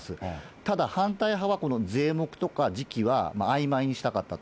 ただ、反対派はこの税目とか時期はあいまいにしたかったと。